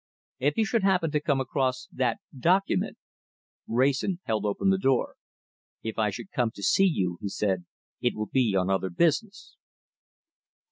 If you should happen to come across that document " Wrayson held open the door. "If I should come to see you," he said, "it will be on other business."